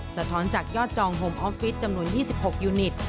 สะท้อนจากยอดจองโฮมออฟฟิศจำนวน๒๖ยูนิต